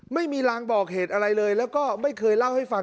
ไม่มีรางบอกเหตุอะไรเลยแล้วก็ไม่เคยเล่าให้ฟัง